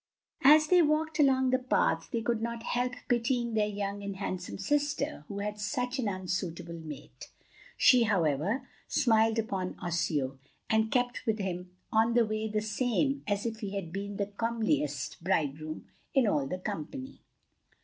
As they walked along the path they could not help pitying their young and handsome sister who had such an unsuitable mate. She, however, smiled upon Osseo, and kept with him on the way the same as if he had been the comeliest bridegroom in all the company.